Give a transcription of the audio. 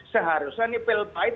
seharusnya ini pilih baik